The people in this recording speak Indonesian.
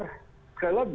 sekali lagi ya